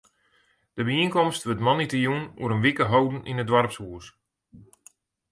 De byienkomst wurdt moandeitejûn oer in wike holden yn it doarpshûs.